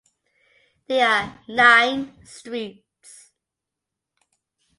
There are nine streets.